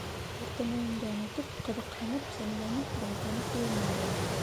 Ауыртыныуымды онотоп, ҡыҙыҡһынып, сәмләнеп, балтаны ҡулыма алам.